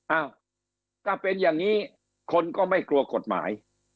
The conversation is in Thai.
อ้าวถ้าเป็นอย่างนี้คนก็ไม่กลัวกฎหมาย